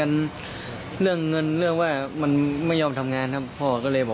มันยากย้ายกันไปครับ